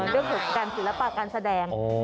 ด้วยการศิลปะการแสดง